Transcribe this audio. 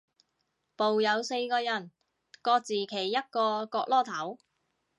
部有四個人，各自企一個角落頭